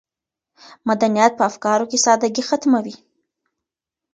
مدنیت په افکارو کې سادګي ختموي.